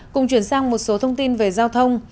cùng chuyển sang một số thông tin về giao thông